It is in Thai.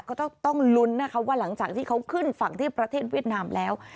ก็ต้องลุ้นนะคะว่าหลังจากที่เขาขึ้นฝั่งที่ประเทศเวียดนามแล้ว